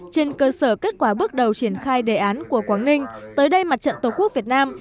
trên cơ sở kết quả bước đầu triển khai đề án của quảng ninh tới đây mặt trận tổ quốc việt nam